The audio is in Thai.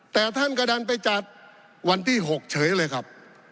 แต่ท่านกระดันไปจัดวันที่๖เฉยเลยครับ